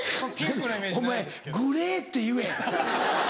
お前グレーって言え。